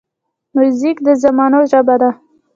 موزیک د زمانو ژبه ده.